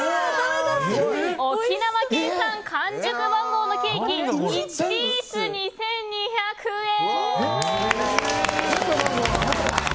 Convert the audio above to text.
沖縄県産完熟マンゴーのケーキ１ピース２２００円。